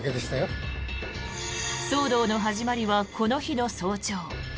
騒動の始まりはこの日の早朝。